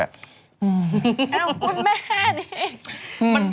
เอ้าคุณแม่นี่